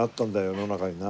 世の中にな。